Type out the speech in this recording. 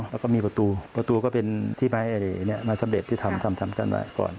แล้วก็มีประตูประตูก็เป็นที่ไม้สำเร็จที่ทำกั้นไว้ก่อน